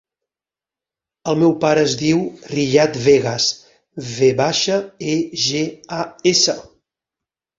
El meu pare es diu Riyad Vegas: ve baixa, e, ge, a, essa.